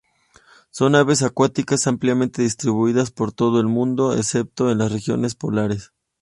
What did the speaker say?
Son aves acuáticas ampliamente distribuidas por todo el mundo excepto en las regiones polares.